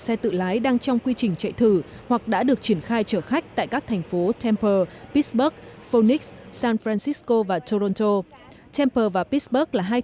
xin kính chào và hẹn gặp lại